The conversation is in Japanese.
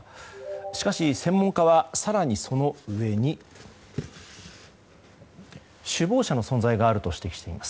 しかし専門家は更にその上に首謀者の存在があると指摘しています。